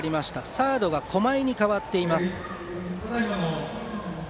サードは駒井に代わっています。